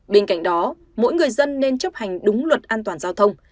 bên cạnh đó mỗi người dân nên chấp hành đúng luật an toàn giao thông